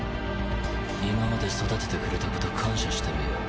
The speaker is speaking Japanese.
今まで育ててくれたこと感謝してるよ